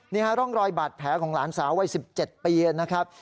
นี่ฮะร่องรอยบาดแผลของหลานสาววัย๑๗ปีนะครับ